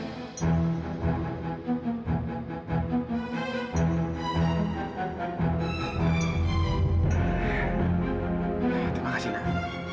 terima kasih nak